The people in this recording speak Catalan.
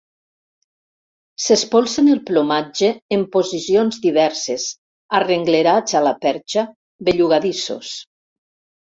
S'espolsen el plomatge en posicions diverses, arrenglerats a la perxa, bellugadissos.